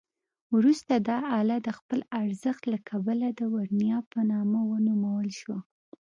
وروسته دا آله د خپل ارزښت له کبله د ورنیه په نامه ونومول شوه.